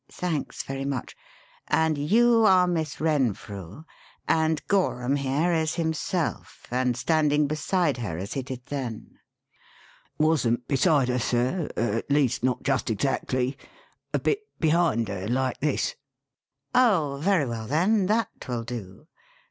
Thanks very much and you are Miss Renfrew, and Gorham here is himself, and standing beside her as he did then." "Wasn't beside her, sir at least not just exactly. A bit behind her like this." "Oh, very well, then, that will do.